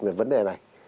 về vấn đề này